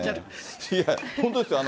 本当ですよ。